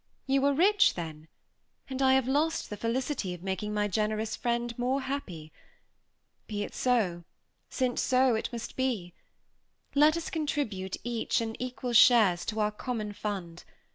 "You are rich, then? and I have lost the felicity of making my generous friend more happy. Be it so! since so it must be. Let us contribute, each, in equal shares, to our common fund.